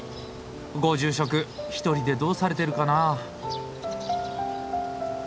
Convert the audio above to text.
ご住職一人でどうされてるかなあ。